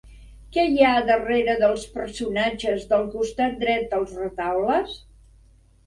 Què hi ha darrere dels personatges del costat dret als retaules?